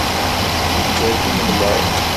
Mačči di Bgayet i nemlal.